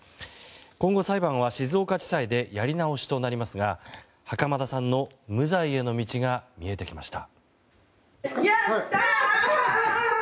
今後、裁判は静岡地裁でやり直しとなりますが袴田さんの無罪への道が見えてきました。